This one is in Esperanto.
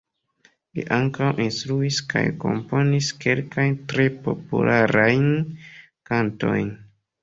Li ankaŭ instruis kaj komponis kelkajn tre popularajn kantojn.